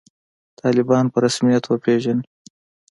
طالبان په رسمیت وپېژنئ